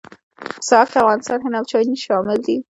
په ساحه کې افغانستان، هند او چین شامل دي.